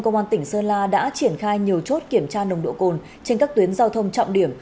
công an tỉnh sơn la đã triển khai nhiều chốt kiểm tra nồng độ cồn trên các tuyến giao thông trọng điểm